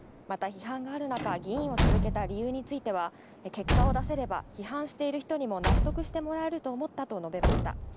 また批判がある中、議員を続けた理由については、結果を出せれば批判している人にも納得してもらえると思ったと述べました。